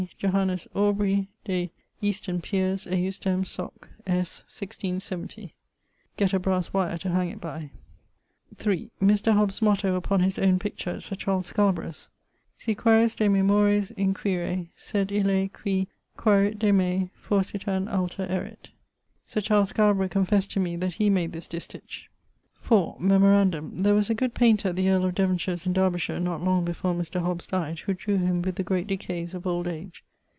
Johannes Aubrey de Easton Piers ejusdem Soc. S. 1670. Gett a brasse wyer to hang it by. Mr. Hobbes's motto upon his owne picture at Sir Charles Scarborough's: Si quaeris de me Mores inquire: sed Ille Qui quaerit de me, forsitan alter erit. (Sir Charles Scarborough confessed to me that he made this distich.) Memorandum there was a good painter at the earl of Devonshire's in Derbyshire not long before Mr. Hobbes dyed, who drew him with the great decayes of old age.